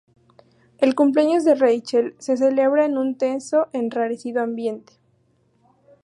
El cumpleaños de Rachel se celebra en un tenso, enrarecido ambiente.